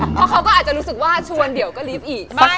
เพราะเขาก็อาจจะรู้สึกว่าชวนเดี๋ยวก็รีบอีก